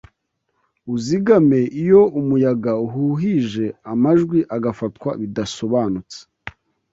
Uzigame iyo umuyaga uhuhije amajwi agafatwa bidasobanutse